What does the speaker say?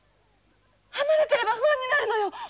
離れてれば不安になるのよ。